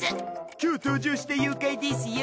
今日登場した妖怪ですよ。